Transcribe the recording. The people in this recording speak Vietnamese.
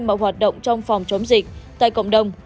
mọi hoạt động trong phòng chống dịch tại cộng đồng